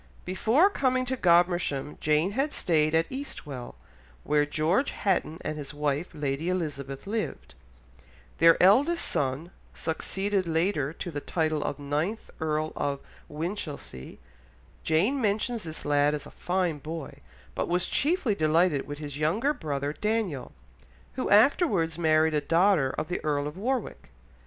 Before coming to Godmersham Jane had stayed at Eastwell, where George Hatton and his wife Lady Elizabeth lived; their eldest son succeeded later to the title of ninth Earl of Winchilsea; Jane mentions this lad as a "fine boy," but was chiefly delighted with his younger brother Daniel, who afterwards married a daughter of the Earl of Warwick.